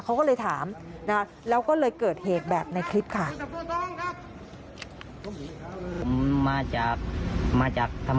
เขาก็เลยถามนะแล้วก็เลยเกิดเหตุแบบในคลิปค่ะ